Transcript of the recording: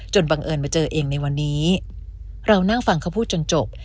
บังเอิญมาเจอเองในวันนี้เรานั่งฟังเขาพูดจนจบ